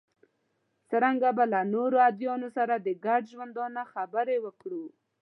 څرنګه به له نورو ادیانو سره د ګډ ژوندانه خبرې وکړو.